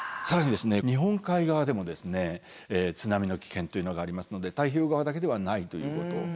更に日本海側でも津波の危険っていうのがありますので太平洋側だけではないということ。